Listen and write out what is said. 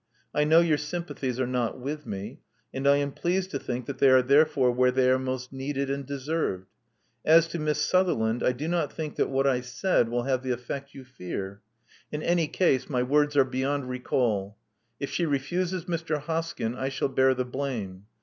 I know your sympathies are not with me; and I am pleased to think that they are therefore where they are most needed and deserved. As to Miss Sutherland, I do not think that what I said 312 Love Among the Artists will have the effect yon fear. In any case, my words are beyond recall. If she refuses Mr. Hoskyn, I shall bear the blame.